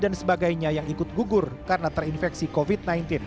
dan sebagainya yang ikut gugur karena terinfeksi covid sembilan belas